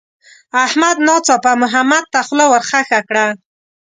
احمد ناڅاپه محمد ته خوله ورخښه کړه.